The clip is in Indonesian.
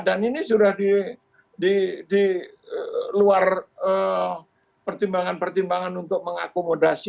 dan ini sudah di luar pertimbangan pertimbangan untuk mengakomodasi